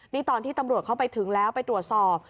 นี่ตอนที่ตำรวจเข้าไปถึงแล้วไปตรวจสอบ